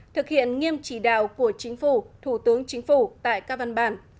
thực hiện nghiêm chỉ đạo của chính phủ thủ tướng chính phủ tại các văn bản